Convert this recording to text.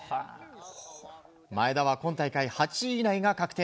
前田は今大会８位以内が確定。